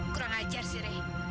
kurang ajar sih rey